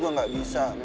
keren banget soalnya